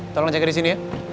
tolong jaga di sini ya